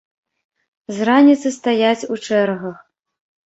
З раніцы стаяць у чэргах!